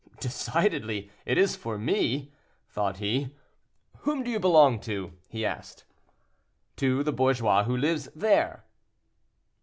"Decidedly it is for me!" thought he. "Whom do you belong to?" he asked. "To the bourgeois who lives there."